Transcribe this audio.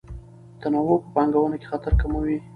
تنوع په پانګونه کې خطر کموي.